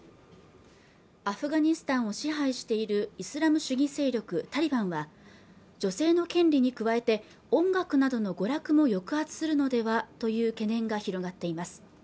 アフガニスタンを支配しているイスラム主義勢力タリバンは女性の権利に加えて音楽などの娯楽も抑圧するのではという懸念が広がっています